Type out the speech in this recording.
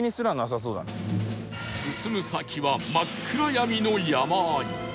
進む先は真っ暗闇の山あい